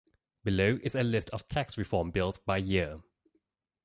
Below is a list of tax reform bills by year.